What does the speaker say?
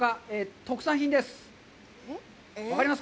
特産品です。